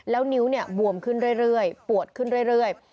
แล้วนิ้วบวมขึ้นเรื่อยปวดขึ้นเรื่อย